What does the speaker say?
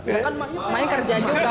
emaknya kerja juga